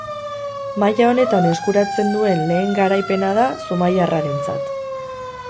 Maila honetan eskuratzen duen lehen garaipena da zumaiarrarentzat.